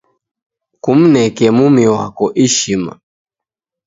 Kumneke mumi wako ishima